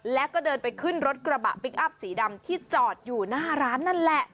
แล้วก็เดินไปขึ้นรถกระบะพลิกอัพสีดำที่จอดอยู่หน้าร้านนั่นแหละ